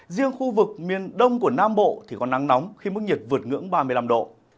riêng khu vực miền đông của nam bộ thì có nắng nóng khi mức nhiệt vượt ngưỡng ba mươi năm độ